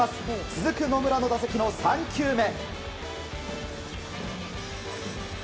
続く野村の打席の３球目。